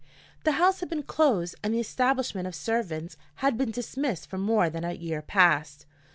The house had been closed and the establishment of servants had been dismissed for more than a year past.